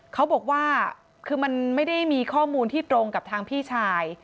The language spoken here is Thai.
เขาบอกว่าคือมันไม่ได้มีข้อมูลที่ตรงกับทางพี่ชาย